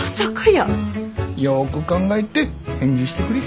よく考えて返事してくれ。